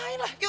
ngapain lah yuk